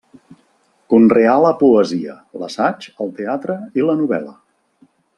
Conreà la poesia, l'assaig, el teatre i la novel·la.